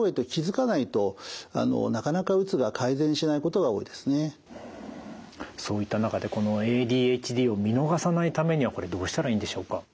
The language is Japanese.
その場合ですねそういった中でこのＡＤＨＤを見逃さないためにはこれどうしたらいいんでしょうか？